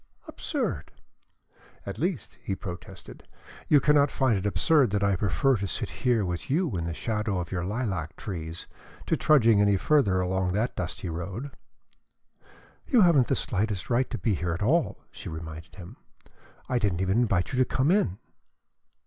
"Absurd!" "At least," he protested, "you cannot find it absurd that I prefer to sit here with you in the shadow of your lilac trees, to trudging any further along that dusty road?" "You haven't the slightest right to be here at all," she reminded him. "I didn't even invite you to come in."